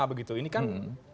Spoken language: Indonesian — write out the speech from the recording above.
begitu ini kan